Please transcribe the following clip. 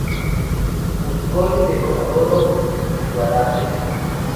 Mosconi de Comodoro Rivadavia.